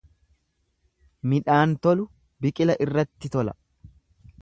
Midhaan tolu biqila irratti tola.